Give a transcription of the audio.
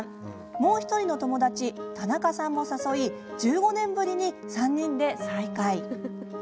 もう１人の友達、田中さんも誘い１５年ぶりに３人で再会。